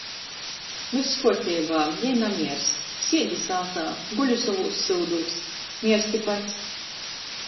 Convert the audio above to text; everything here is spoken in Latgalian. Vyss kuorteibā. Jei namierst. Siedi sātā. Guli sovūs syudūs. Miersti pats.